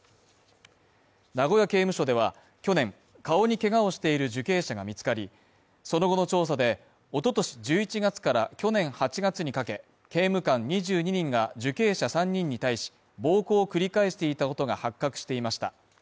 名古屋刑務所では去年顔にけがをしている受刑者が見つかり、その後の調査で、おととし１１月から去年８月にかけ、刑務官２２人が受刑者３人に対し、暴行を繰り返していたことが発覚していました。